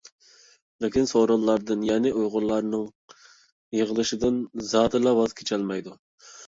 لېكىن، سورۇنلاردىن، يەنى ئۇيغۇرلارنىڭ يىغىلىشىدىن زادىلا ۋاز كېچەلمەيدۇ.